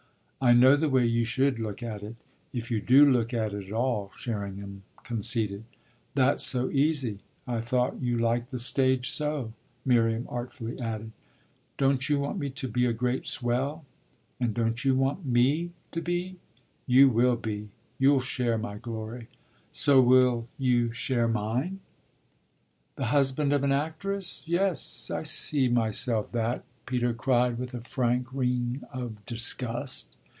"I know the way you should look at it if you do look at it at all," Sherringham conceded. "That's so easy! I thought you liked the stage so," Miriam artfully added. "Don't you want me to be a great swell?" "And don't you want me to be?" "You will be you'll share my glory." "So will you share mine." "The husband of an actress? Yes, I see myself that!" Peter cried with a frank ring of disgust.